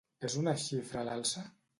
És una xifra a l'alça?